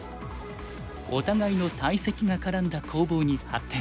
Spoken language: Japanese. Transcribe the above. お互いの大石が絡んだ攻防に発展。